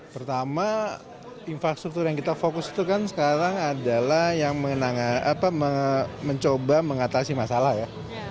pertama infrastruktur yang kita fokus itu kan sekarang adalah yang mencoba mengatasi masalah ya